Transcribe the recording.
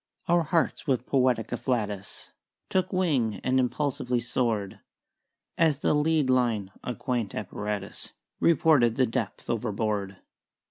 "Our hearts with poetic afflatus Took wing and impulsively soared As the lead line (a quaint apparatus) Reported the depth overboard.